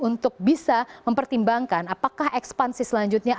untuk bisa mempertimbangkan apakah ekspansi selanjutnya